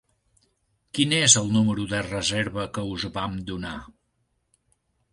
Quin és el número de reserva que us vam donar?